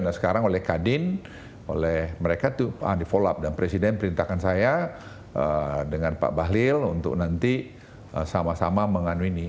nah sekarang oleh kadin oleh mereka itu di follow up dan presiden perintahkan saya dengan pak bahlil untuk nanti sama sama menganu ini